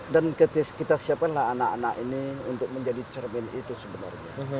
dan kita siapkanlah anak anak ini untuk menjadi cermin itu sebenarnya